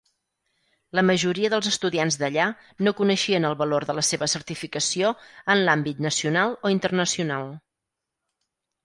La majoria dels estudiants d'allà no coneixien el valor de la seva certificació en l'àmbit nacional o internacional.